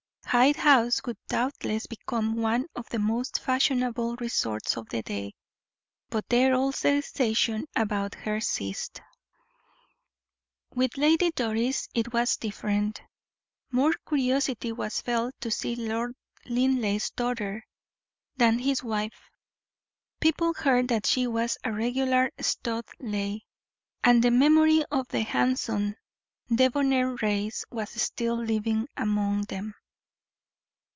Hyde House would doubtless become one of the most fashionable resorts of the day; but there all sensation about her ceased. With Lady Doris it was different; more curiosity was felt to see Lord Linleigh's daughter than his wife. People heard that she was a regular Studleigh, and the memory of the handsome, debonair race was still living among them.